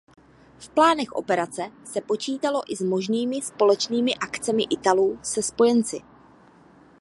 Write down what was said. V plánech operace se počítalo i s možnými společnými akcemi Italů se Spojenci.